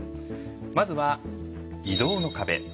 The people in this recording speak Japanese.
まずは移動の壁。